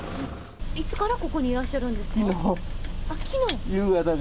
いつからここにいらっしゃるんですか。